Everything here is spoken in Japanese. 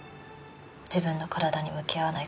自分の体に向き合わない限り。